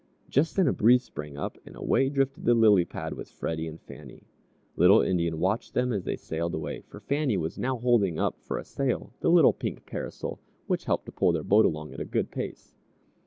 Just then a breeze sprang up, and away drifted the lily pad with Freddie and Fannie. Little Indian watched them as they sailed away, for Fannie was now holding up for a sail the little pink parasol, which helped to pull their boat along at a good pace.